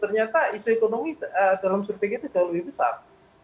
ternyata isu ekonomi dalam survei kita jauh lebih besar